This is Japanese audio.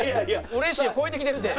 「うれしい」を超えてきてるって。